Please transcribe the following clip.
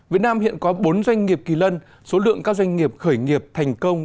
việt nam hiện có bốn doanh nghiệp kỳ lân số lượng các doanh nghiệp khởi nghiệp thành công